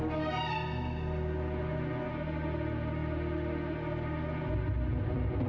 enggak uradu go